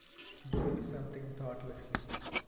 Doing something thoughtlessly.